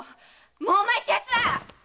もうお前って奴は‼